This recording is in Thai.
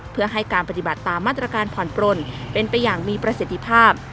เพื่อให้การปฏิบัติตามมาตรการผ่อนปลนเป็นไปอย่างมีประสิทธิภาพ